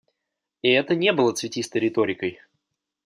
И это не было цветистой риторикой.